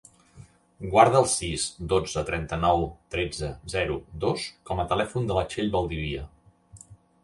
Guarda el sis, dotze, trenta-nou, tretze, zero, dos com a telèfon de la Txell Valdivia.